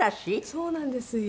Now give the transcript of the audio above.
そうなんですね。